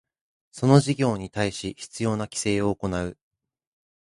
その事業に対し必要な規制を行う